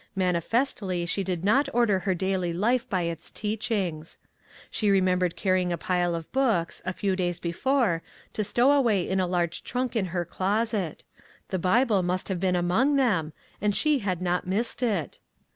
Manifestly she did not order her daily life by its teachings. She remembered carry 259 MAG AND MARGARET ing a pile of books, a few days before, to stow away in the large trunk in her closet; the Bible must have been among them, and she had not missed it!